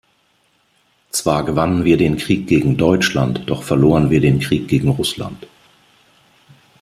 Zwar gewannen wir den Krieg gegen Deutschland, doch verloren wir den Krieg gegen Russland.